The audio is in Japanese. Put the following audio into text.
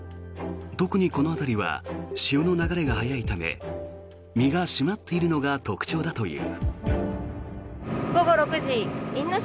特にこの辺りは潮の流れが速いため身が締まっているのが特徴だという。